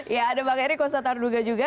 ya ada bang eriku satarduga juga